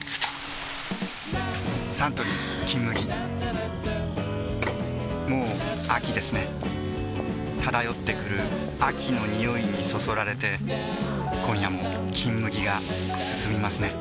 サントリー「金麦」もう秋ですね漂ってくる秋の匂いにそそられて今夜も「金麦」がすすみますね